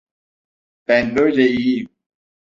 Ben böyle iyiyim.